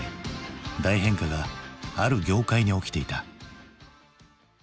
大変化がある業界に起きていた。